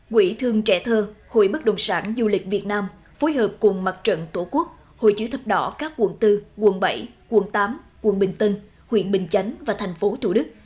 quỹ thương trẻ thơ hội bất đồng sản du lịch việt nam phối hợp cùng mặt trận tổ quốc hội chữ thập đỏ các quận bốn quận bảy quận tám quận bình tân huyện bình chánh và thành phố thủ đức